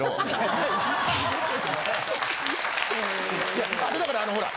いやだからあのほら。